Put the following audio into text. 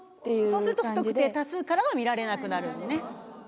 そうすると不特定多数からは見られなくなるのね。